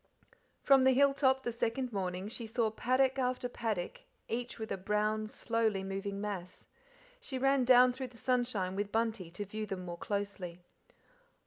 From the hill top the second morning she saw paddock after paddock, each with a brown, slowly moving mass; she ran down through the sunshine with Bunty to view them more closely.